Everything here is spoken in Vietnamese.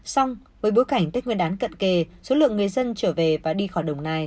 xong với bối cảnh tết nguyên đán cận kề số lượng người dân trở về và đi khỏi đồng nai